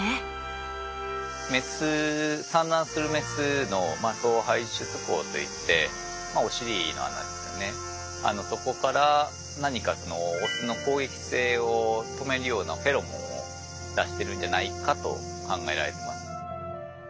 産卵するメスの総排出口といってまあお尻の穴そこから何かそのオスの攻撃性を止めるようなフェロモンを出してるんじゃないかと考えられています。